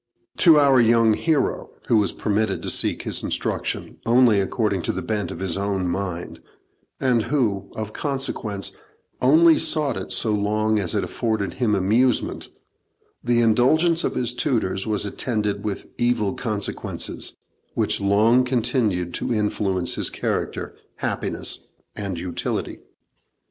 To our young hero, who was permitted to seek his instruction only according to the bent of his own mind, and who, of consequence, only sought it so long as it afforded him amusement, the indulgence of his tutors was attended with evil consequences, which long continued to influence his character, happiness, and utility.